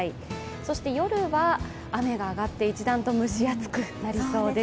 そして夜は雨が上がって一段と蒸し暑くなりそうです。